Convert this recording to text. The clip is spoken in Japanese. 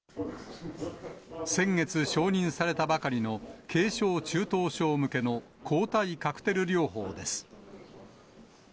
先月、承認されたばかりの軽症・中等症向けの抗体カクテル療法です。